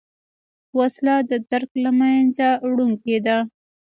وسله د درک له منځه وړونکې ده